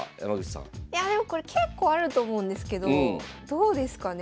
いやあでもこれ結構あると思うんですけどどうですかね。